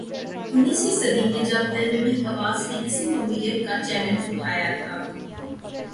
انیسویں صدی میں جب علم بالحواس نے اسی نوعیت کا چیلنج اٹھایا تھا۔